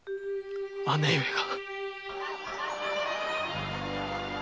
姉上が？